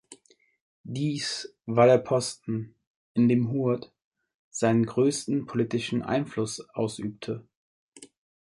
Dies war der Posten, in dem Hurd seinen größten politischen Einfluss ausübte.